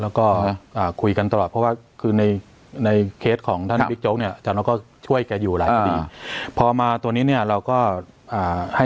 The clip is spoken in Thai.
แล้วก็คุยกันตลอดเพราะว่า